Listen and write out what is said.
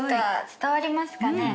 伝わりますかね？